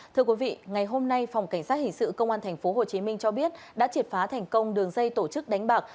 thưa quý vị ngày hôm nay phòng cảnh sát hình sự công an tp hcm cho biết đã triệt phá thành công đường dây tổ chức đánh bạc